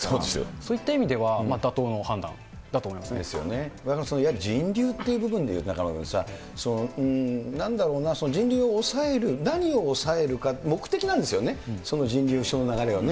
そういった意味では、いわゆる人流という部分で、中丸君さ、なんだろうな、人流を抑える、何を抑えるか、目的なんですよね、その人流、人の流れをね。